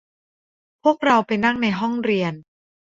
พวกเราไปนั่งในห้องเรียน